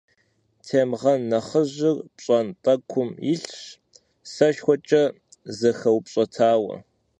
Темгъэн нэхъыжьыр пщӏантӏэкум илъщ, сэшхуэкӏэ зэхэупщӏэтауэ.